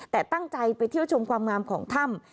แต่ตั้งใจไปเที่ยวชมความงามของถ้ำ